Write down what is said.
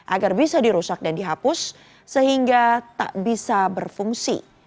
agar bisa dirusak dan dihapus sehingga tak bisa berfungsi